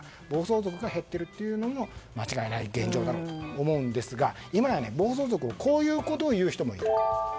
暴走族が減っているというのも間違いない現状だろうと思うんですが今や暴走族をこういうふうに言う人もいる。